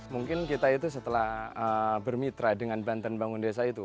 mungkin kita itu setelah bermitra dengan banten bangun desa itu